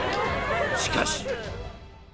しかし。